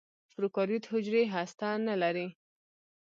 پروکاریوت حجرې هسته نه لري.